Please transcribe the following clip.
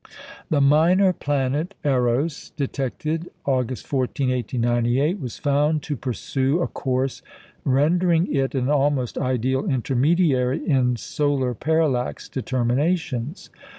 The minor planet Eros, detected August 14, 1898, was found to pursue a course rendering it an almost ideal intermediary in solar parallax determinations.